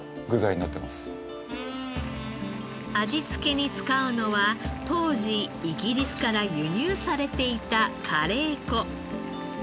味付けに使うのは当時イギリスから輸入されていたカレー粉。